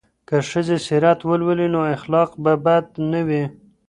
که ښځې سیرت ولولي نو اخلاق به بد نه وي.